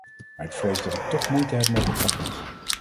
Maar ik vrees dat ik toch moeite heb met het pakket.